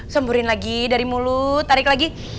semburin lagi dari mulut tarik lagi